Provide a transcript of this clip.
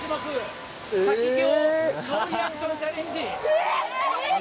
え！